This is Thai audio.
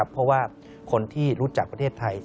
เพราะว่าคนที่รู้จักประเทศไทย